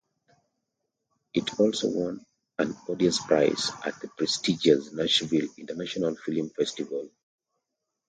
It also won an audience prize at the prestigious Nashville International Film Festival.